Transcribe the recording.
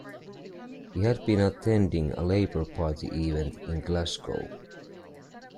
He had been attending a Labour Party event in Glasgow.